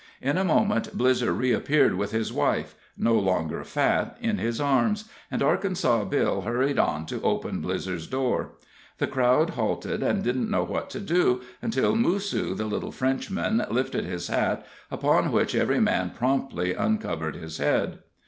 In a moment Blizzer reappeared with his wife, no longer fat, in his arms, and Arkansas Bill hurried on to open Blizzer's door. The crowd halted, and didn't know what to do, until Moosoo, the little Frenchman, lifted his hat, upon, which every man promptly uncovered his head.